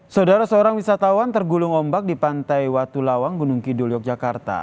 saudara seorang wisatawan tergulung ombak di pantai watulawang gunung kidul yogyakarta